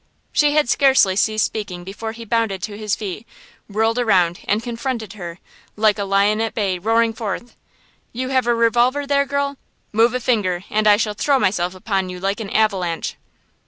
She had scarcely ceased speaking before he bounded to his feet, whirled around and confronted her, like a lion at bay, roaring forth: "You have a revolver there, girl–move a finger and I shall throw myself upon you like an avalanche?"